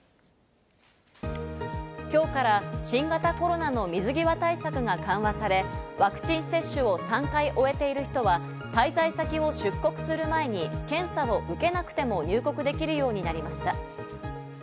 今日から新型コロナの水際対策が緩和され、ワクチン接種を３回終えている人は滞在先を出国する前に検査を受けなくても入国できるようになりました。